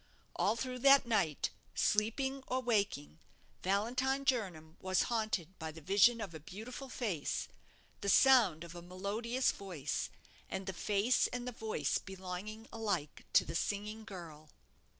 All through that night, sleeping or waking, Valentine Jernam was haunted by the vision of a beautiful face, the sound of a melodious voice, and the face and the voice belonged alike to the singing girl.